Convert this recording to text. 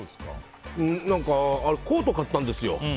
コート買ったんですよ。